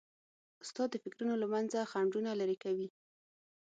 استاد د فکرونو له منځه خنډونه لیري کوي.